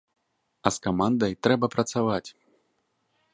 А з камандай трэба працаваць.